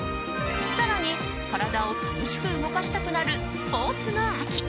更に体を楽しく動かしたくなるスポーツの秋。